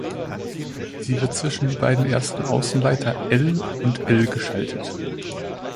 Sie wird zwischen die beiden ersten Außenleiter "L" und "L" geschaltet.